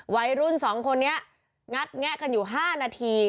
วัยรุ่น๒คนนี้งัดแงะกันอยู่๕นาที